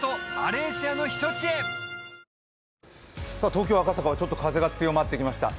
東京・赤坂は風が強まってきました。